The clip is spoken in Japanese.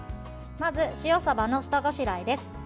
まず、塩さばの下ごしらえです。